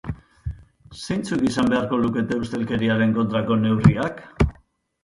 Zeintzuk izan beharko lukete ustelkeriaren kontrako neurriak?